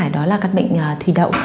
đó là căn bệnh thủy đậu